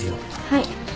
はい。